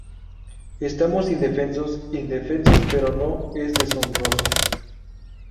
Estamos indefensos, indefensos, pero no es deshonroso.